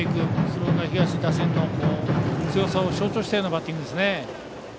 鶴岡東打線の強さを象徴したようなバッティングです。